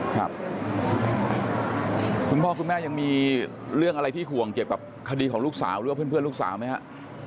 คุณพ่อคุณแม่ยังมีเรื่องอะไรที่ห่วงเกี่ยวกับคดีของลูกสาวหรือว่าเพื่อนลูกสาวไหมฮะ